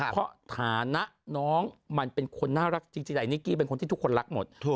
เพราะฐานะน้องมันเป็นคนน่ารักจริงแต่นิกกี้เป็นคนที่ทุกคนรักหมด